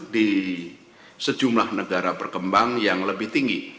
di sejumlah negara berkembang yang lebih tinggi